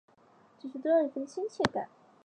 就是多了一分亲切感